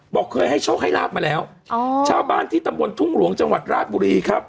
เคยให้โชคให้ลาบมาแล้วอ๋อชาวบ้านที่ตำบลทุ่งหลวงจังหวัดราชบุรีครับ